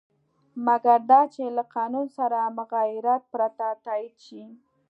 مګر دا چې له قانون سره مغایرت پرته تایید شي.